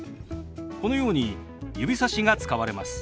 このように指さしが使われます。